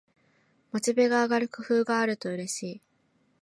モチベが上がる工夫があるとうれしい